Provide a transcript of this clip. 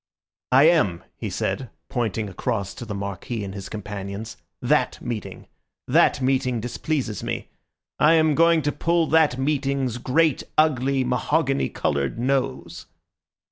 "I am," he said, pointing across to the Marquis and his companions, "that meeting. That meeting displeases me. I am going to pull that meeting's great ugly, mahogany coloured nose."